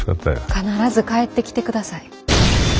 必ず帰ってきてください。